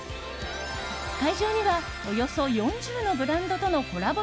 会場にはおよそ４０のブランドとのコラボ